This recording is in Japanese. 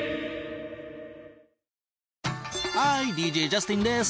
ＤＪジャスティンです。